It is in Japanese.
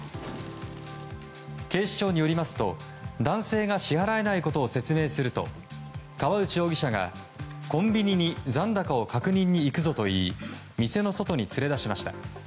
警視庁によりますと、男性が支払えないことを説明すると河内容疑者が、コンビニに残高を確認に行くぞと言い店の外に連れ出しました。